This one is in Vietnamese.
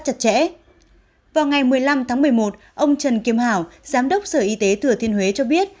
chặt chẽ vào ngày một mươi năm tháng một mươi một ông trần kim hảo giám đốc sở y tế thừa thiên huế cho biết